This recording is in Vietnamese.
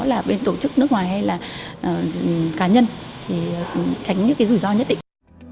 như tổ chức nước ngoài hay là cá nhân thì tránh những rủi ro nhất định